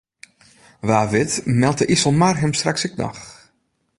Wa wit meldt de Iselmar him straks ek noch.